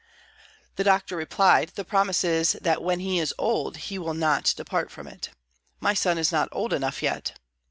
The doctor replied, "The promise is, that when he is old, he will not depart from it. My son is not old enough yet."